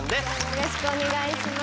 よろしくお願いします。